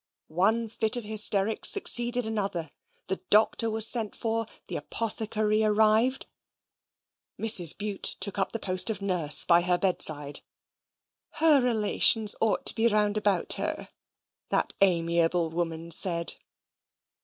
One fit of hysterics succeeded another. The doctor was sent for the apothecary arrived. Mrs. Bute took up the post of nurse by her bedside. "Her relations ought to be round about her," that amiable woman said.